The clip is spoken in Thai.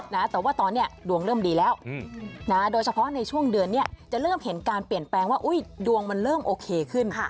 แต่ว่าตอนนี้ดวงเริ่มดีแล้วนะโดยเฉพาะในช่วงเดือนนี้จะเริ่มเห็นการเปลี่ยนแปลงว่าอุ้ยดวงมันเริ่มโอเคขึ้น